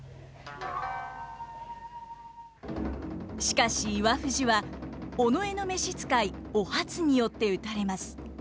しかし岩藤は尾上の召し使いお初によって討たれます。